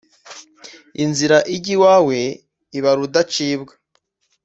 inzira ijya iwawe iba rudacibwa